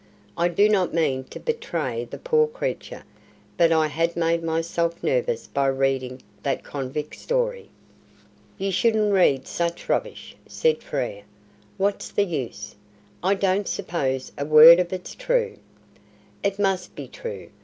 "I did not mean to betray the poor creature, but I had made myself nervous by reading that convict's story." "You shouldn't read such rubbish," said Frere. "What's the use? I don't suppose a word of it's true." "It must be true.